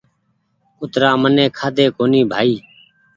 ڪُترآ مني کآڌي ڪُوني بآئي